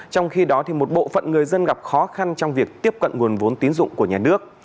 trong khi đó một bộ phận người dân gặp khó khăn trong việc tiếp cận nguồn vốn tín dụng của nhà nước